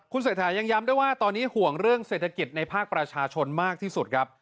เศรษฐายังย้ำด้วยว่าตอนนี้ห่วงเรื่องเศรษฐกิจในภาคประชาชนมากที่สุดครับ